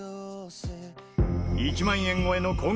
１万円超えの「さあ！」